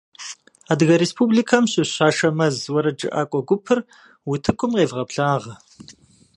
Адыгэ республикэм щыщ «Ашэмэз» уэрэджыӏакӏуэ гупыр утыкум къевгъэблагъэ!